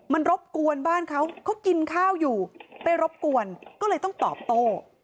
มันรบกวนบ้านเขาเขากินข้าวอยู่ไปรบกวนก็เลยต้องตอบโต้